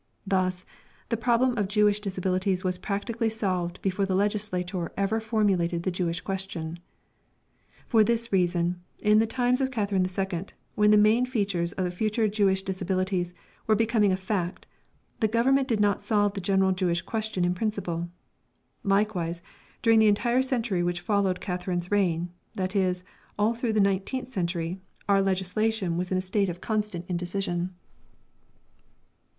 Thus, the problem of Jewish disabilities was practically solved before the legislator ever formulated the Jewish question. For this reason, in the times of Catherine II, when the main features of the future Jewish disabilities were becoming a fact, the Government did not solve the general Jewish question in principle. Likewise, during the entire century which followed Catherine's reign, that is, all through the nineteenth century, our legislation was in a state of constant indecision.